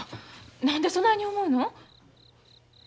何でそないに思うの？